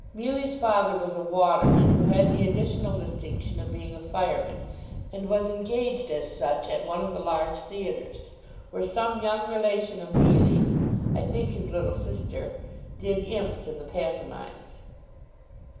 Mealy's father was a waterman, who had the additional distinction of being a fireman, and was engaged as such at one of the large theatres; where some young relation of Mealy's I think his little sister did Imps in the Pantomimes.